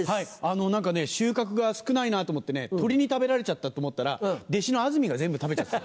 何か収穫が少ないなと思って鳥に食べられちゃったと思ったら弟子のあずみが全部食べちゃってた。